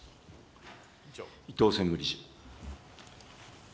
伊藤専務理事。